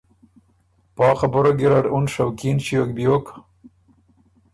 پا خبُره ګیرډ اُن شوقین ݭیوک بیوک